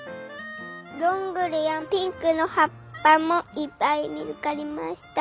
どんぐりやピンクのはっぱもいっぱいみつかりました。